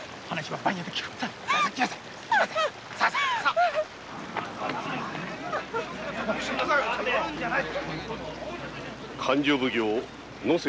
はい。